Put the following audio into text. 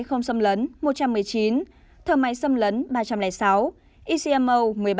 thổ xâm lấn một trăm một mươi chín thổ máy xâm lấn ba trăm linh sáu ecmo một mươi ba